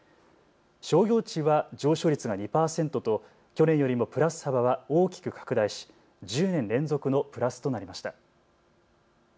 商業地は上昇率が２％と去年よりもプラス幅は大きく拡大し１０年連続のプラスとなりました。